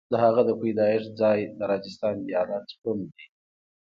د هغه د پیدایښت ځای د راجستان ایالت ټونک دی.